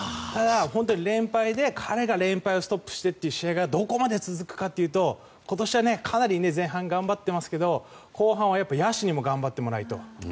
本当に連敗で彼が連敗をストップしてという試合がどこまで続くかとなると今年はかなり前半、頑張ってますけど後半は野手にも頑張ってもらいたい。